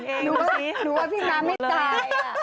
หนูว่าพี่ม้าไม่ตาย